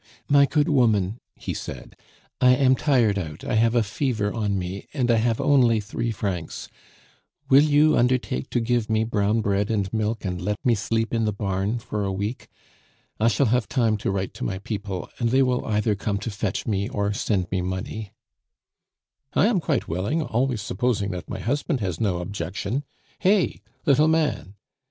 "My good woman," he said, "I am tired out; I have a fever on me, and I have only three francs; will you undertake to give me brown bread and milk, and let me sleep in the barn for a week? I shall have time to write to my people, and they will either come to fetch me or send me money." "I am quite willing, always supposing that my husband has no objection. Hey! little man!"